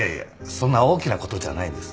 そんな大きなことじゃないんです。